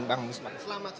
selamat sore pak